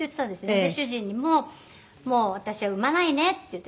で主人にも「もう私は産まないね」って言って。